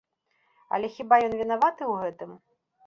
Але хіба ён вінаваты ў гэтым?